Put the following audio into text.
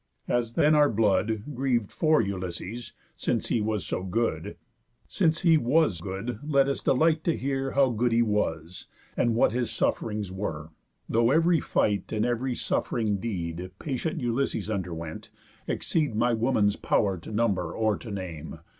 As then our blood Griev'd for Ulysses, since he was so good, Since he was good, let us delight to hear How good he was, and what his suff'rings were; Though ev'ry fight, and ev'ry suff'ring deed, Patient Ulysses underwent, exceed My woman's pow'r to number, or to name.